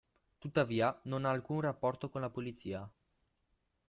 Tuttavia, non ha alcun rapporto con la polizia.